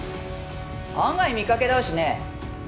案外見かけ倒しね。